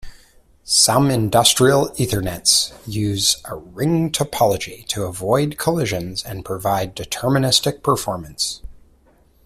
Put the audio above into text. Some Industrial Ethernets use a ring topology to avoid collisions and provide deterministic performance.